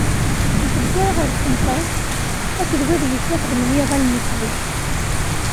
Ur ḥebbes ara ɣef tqenṭert, akked wadeg yettwaxedmen i yiɣallen n usellek.